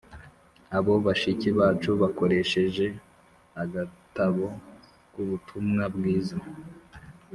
Abo bashiki bacu bakoresheje agatabo k Ubutumwa bwiza